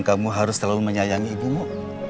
kamu harus selalu menyayangi ibumu